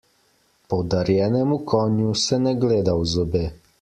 Podarjenemu konju se ne gleda v zobe.